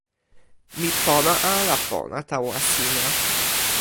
mi pona ala pona tawa sina?